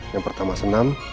yang pertama senam